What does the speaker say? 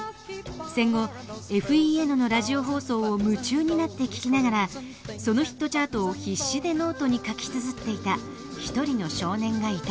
戦後ＦＥＮのラジオ放送を夢中になって聴きながらそのヒットチャートを必死でノートに書きつづっていた一人の少年がいた。